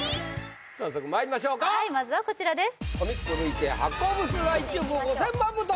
早速まいりましょうかはいまずはこちらです